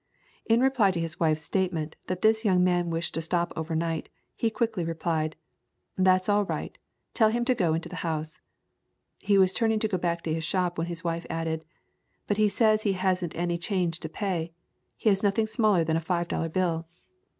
In reply to his wife's statement, that this young man wished to stop over night, he quickly re plied, "That's all right; tell him to go into the house." He was turning to go back to his shop, when his wife added, "But he says he has n't any change to pay. He has nothing smaller than a five dollar bill."